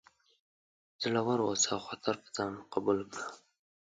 زړور اوسه او خطر په ځان قبول کړه.